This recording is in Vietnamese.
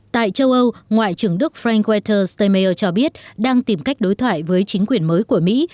tại châu âu ngoại trưởng đức frank walter steinmeier cho biết đang tìm cách đối thoại với chính quyền mới